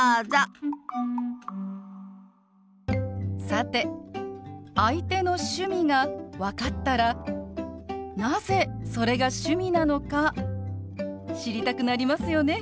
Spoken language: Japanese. さて相手の趣味が分かったらなぜそれが趣味なのか知りたくなりますよね。